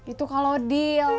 itu kalau deal